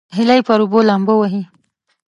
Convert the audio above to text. هیلۍ پر اوبو لامبو وهي